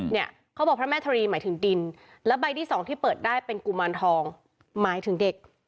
เนี่ยเขาบอกพระแม่ทรีหมายถึงดินแล้วใบที่สองที่เปิดได้เป็นกุมารทองหมายถึงเด็ก